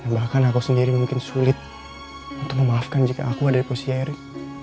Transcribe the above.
bahkan aku sendiri mungkin sulit untuk memaafkan jika aku ada di posisiari